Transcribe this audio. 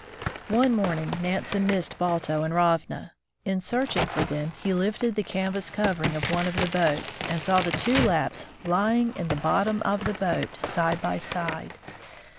One morning Nansen missed Balto and Ravna. In searching for them he lifted the canvas covering of one of the boats, and saw the two Lapps lying in the bottom of 112 THE FROZEN NORTH the boat, side by side.